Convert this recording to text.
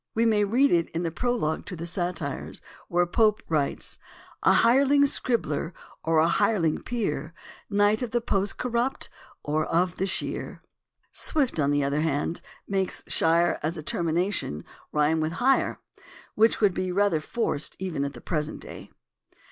We may read it in the prologue to the Satires (lines 364 365), where Pope writes: " A hireling scribbler, or a hireling peer, Knight of the post corrupt, or of the shire." Swift, on the other hand, makes "shire" as a ter mination rhyme with "hire," which would be rather forced even at the present day.